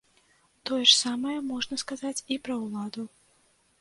Тое ж самае можна сказаць і пра ўладу.